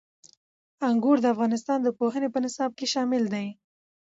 انګور د افغانستان د پوهنې په نصاب کې شامل دي.